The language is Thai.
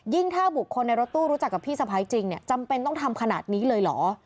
ถ้าบุคคลในรถตู้รู้จักกับพี่สะพ้ายจริงเนี่ยจำเป็นต้องทำขนาดนี้เลยเหรอ